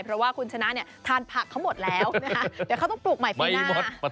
เพราะว่าคุณชนะเนี่ยทานผักเขาหมดแล้วนะคะเดี๋ยวเขาต้องปลูกใหม่ปีหน้า